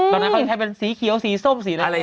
ตอนนั้นเขาก็ได้ใช้สีเกียวสีส้มสีแดงแดง